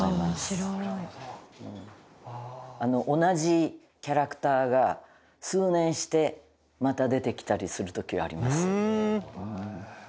同じキャラクターが数年してまた出てきたりする時はあります。